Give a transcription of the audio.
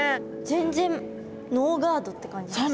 全然ノーガードって感じですね。